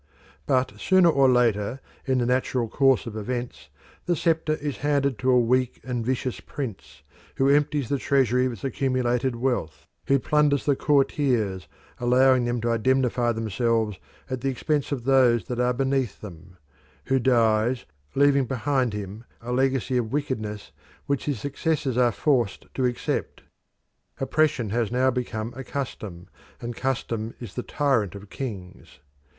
But sooner or later in the natural course of events the sceptre is handed to a weak and vicious prince, who empties the treasury of its accumulated wealth; who plunders the courtiers, allowing them to indemnify themselves at the expense of those that are beneath them; who dies, leaving behind him a legacy of wickedness which his successors are forced to accept. Oppression has now become a custom, and custom is the tyrant of kings.